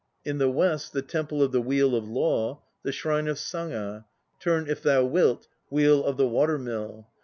1 In the west, the Temple of the Wheel of Law, The Shrine of Saga (Turn, if thou wilt, Wheel of the Water Mill!)